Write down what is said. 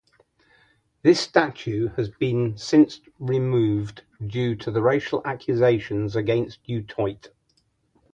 This statue has since been removed due to the racial accusations against Du Toit.